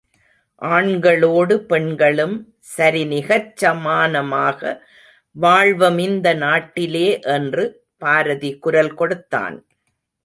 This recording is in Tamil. ஆண்களோடு பெண்களும் சரிநிகர்ச் சமானமாக வாழ்வமிந்த நாட்டிலே என்று பாரதி குரல் கொடுத்தான்.